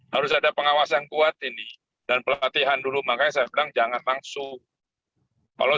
harus ada pengawasan kuat ini dan pelatihan dulu makanya saya bilang jangan langsung kalau